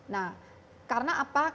nah karena apa